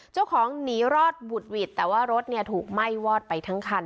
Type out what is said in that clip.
เจ้าของหนีรอดบุดหวิดแต่ว่ารถเนี่ยถูกไหม้วอดไปทั้งคัน